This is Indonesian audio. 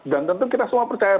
dan tentu kita semua percaya